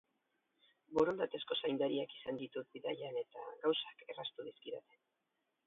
Borondatezko zaindariak izan ditut bidaian, eta gauzak erraztu dizkidate.